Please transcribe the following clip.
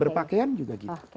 berpakaian juga gitu